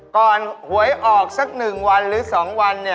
หวยออกสัก๑วันหรือ๒วันเนี่ย